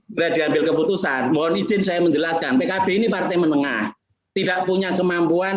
sudah diambil keputusan mohon izin saya menjelaskan pkb ini partai menengah tidak punya kemampuan